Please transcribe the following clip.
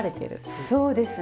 そうですね。